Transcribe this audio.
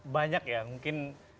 banyak ya mungkin